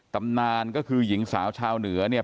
ตำนานก็คือหญิงสาวชาวเหนือเนี่ย